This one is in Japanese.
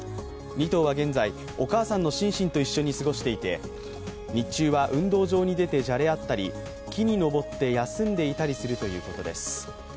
２頭は現在、お母さんのシンシンと一緒に過ごしていて日中は運動場に出てじゃれあったり木に登って休んでいたりするということです。